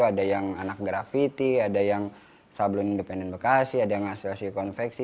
ada yang anak grafiti ada yang sablon independen bekasi ada yang asosiasi konveksi